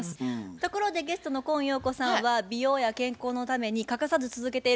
ところでゲストの今陽子さんは美容や健康のために欠かさず続けていることはありますか？